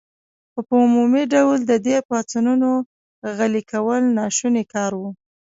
خو په عمومي ډول د دې پاڅونونو غلي کول ناشوني کار و.